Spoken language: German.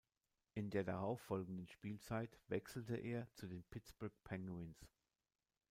In der darauffolgenden Spielzeit wechselte er zu den Pittsburgh Penguins.